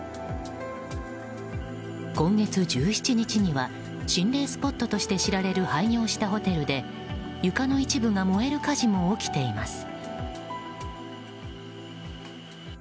今月１７日には心霊スポットとして知られる廃業したホテルで床の一部が燃える火事も起きています。